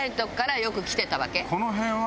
この辺は。